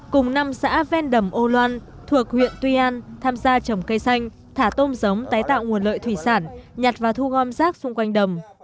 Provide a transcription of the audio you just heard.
cùng năm xã ven đầm âu loan thuộc huyện tuy an tham gia trồng cây xanh thả tôm giống tái tạo nguồn lợi thủy sản nhặt và thu gom rác xung quanh đầm